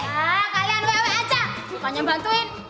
nah kalian wewe aja bukannya bantuin